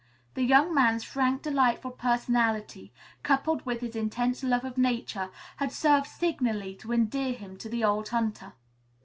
The young man's frank, delightful personality, coupled with his intense love of Nature, had served signally to endear him to the old hunter.